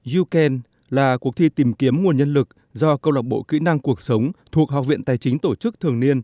you can là cuộc thi tìm kiếm nguồn nhân lực do câu lạc bộ kỹ năng cuộc sống thuộc học viện tài chính tổ chức thường niên